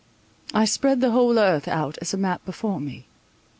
I spread the whole earth out as a map before me.